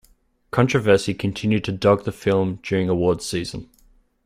Controversy continued to dog the film during awards season.